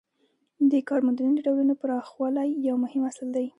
د کارموندنې د ډولونو پراخوالی یو مهم اصل دی.